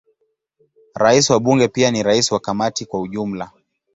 Rais wa Bunge pia ni rais wa Kamati kwa ujumla.